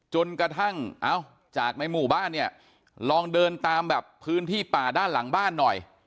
จนกระทั่งเอ้าจากในหมู่บ้านเนี่ยลองเดินตามแบบพื้นที่ป่าด้านหลังบ้านหน่อย